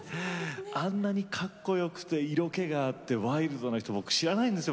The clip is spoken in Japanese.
あんなにかっこよくて色気があってワイルドな人僕知らないんですよ